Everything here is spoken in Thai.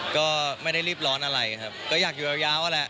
ก็ไม่ได้รีบร้อนอะไรครับก็อยากอยู่ยาวแหละ